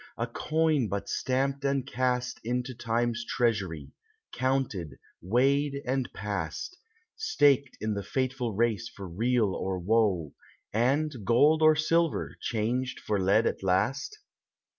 —A coin but stamped and cast Into time's treasury, counted, weighed, and pass'd, Staked in the fateful race for weal or woe, And, gold or silver, changed for lead at last?